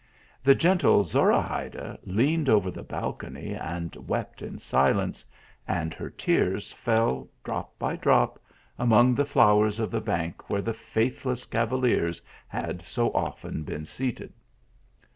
The gentle Zorahayda leaned over the balcony, and wept in silence, and her tears fell drop by drop, among the flowers of the bank where the faithless cavaliers had so often been seated.